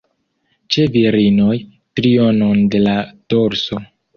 Ĉe virinoj, trionon de la dorso.